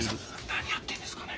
何やってんですかね？